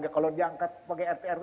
kalau diangkat rt rw